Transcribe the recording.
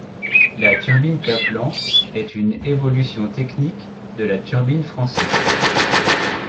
La turbine Kaplan est une évolution technique de la turbine Francis.